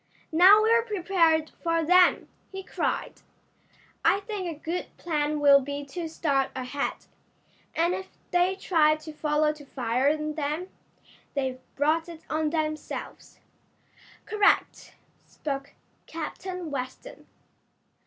"Now we're prepared for them!" he cried. "I think a good plan will be to start ahead, and if they try to follow to fire on them. They've brought it on themselves." "Correct," spoke Captain Weston.